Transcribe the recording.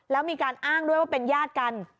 แล้วมีการอ้างด้วยว่าเป็นญาติกัน